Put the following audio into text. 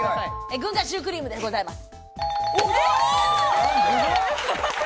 軍艦シュークリームでございます。